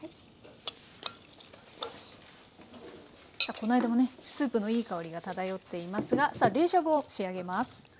この間もねスープのいい香りが漂っていますがさあ冷しゃぶを仕上げます。